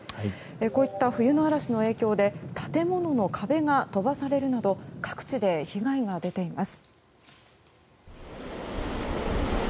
こういった冬の嵐の影響で建物の壁が飛ばされるなど各地で被害が出ています。